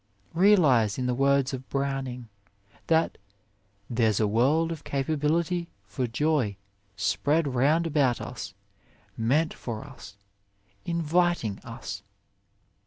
Realise, in the words of Browning, that "There s a world of capability for joy spread round about us, meant for us, inviting us."